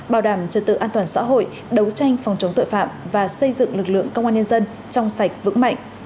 bảo đảm trật tự an toàn xã hội đấu tranh phòng chống tội phạm và xây dựng lực lượng công an nhân dân trong sạch vững mạnh